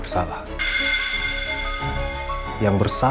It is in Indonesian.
berkata attempting nangkap